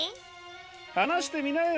はなしてみなよ